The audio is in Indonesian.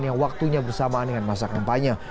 yang waktunya bersamaan dengan masa kampanye